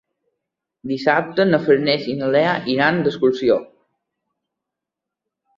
Dissabte na Farners i na Lea iran d'excursió.